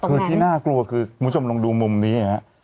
คือที่น่ากลัวคือคุณผู้ชมลองดูมุมนี้นะครับ